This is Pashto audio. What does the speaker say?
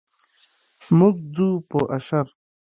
موږ ځو په اشر.